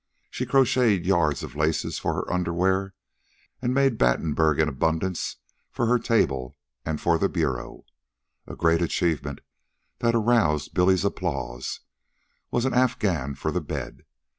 She crocheted yards of laces for her underwear, and made Battenberg in abundance for her table and for the bureau. A great achievement, that aroused Billy's applause, was an Afghan for the bed.